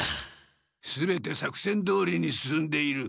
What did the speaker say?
全て作戦どおりに進んでいる。